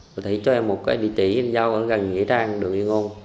bà thủy cho em một địa chỉ giao ở gần nghĩa trang đường nguyên ngôn